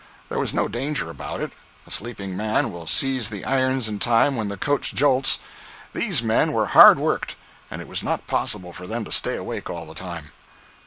There was no danger about it; a sleeping man will seize the irons in time when the coach jolts. These men were hard worked, and it was not possible for them to stay awake all the time.